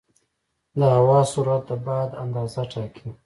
د هوا سرعت د باد اندازه ټاکي.